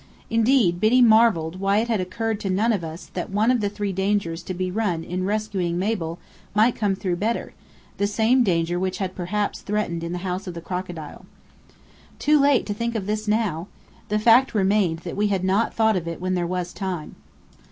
Indeed, Biddy marvelled why it had occurred to none of us that one of the dangers to be run in rescuing Mabel might come through Bedr, the same danger which had perhaps threatened in the House of the Crocodile. Too late to think of this now! The fact remained that we had not thought of it when there was time.